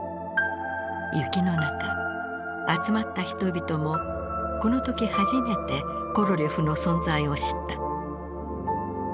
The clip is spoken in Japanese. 雪の中集まった人々もこの時初めてコロリョフの存在を知った。